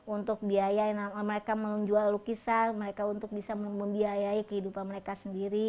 untuk biaya mereka menjual lukisan mereka untuk bisa membiayai kehidupan mereka sendiri